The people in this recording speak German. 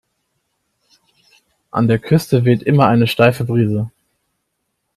An der Küste weht immer eine steife Brise.